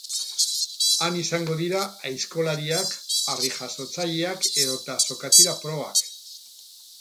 Han izango dira aizkolariak, harrijasotzaileak edota sokatira probak.